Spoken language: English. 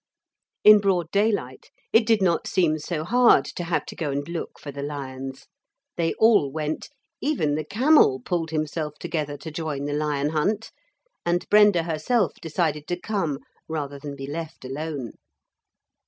In broad daylight it did not seem so hard to have to go and look for the lions. They all went even the camel pulled himself together to join the lion hunt, and Brenda herself decided to come rather than be left alone.